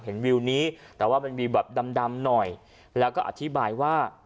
วิวนี้แต่ว่ามันมีแบบดำหน่อยแล้วก็อธิบายว่า